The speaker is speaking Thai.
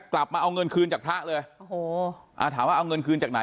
กลับมาเอาเงินคืนจากพระเลยโอ้โหอ่าถามว่าเอาเงินคืนจากไหน